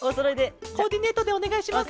コーディネートでおねがいします